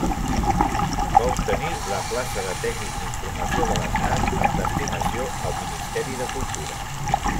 Va obtenir la plaça de tècnic d'informació de l'Estat amb destinació al Ministeri de Cultura.